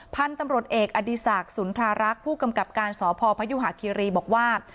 พันธุ์ตำรวจเอกอดีศักดิ์สุนทรารักษ์ผู้กำกับการสพพยุหาคิรีบอกว่า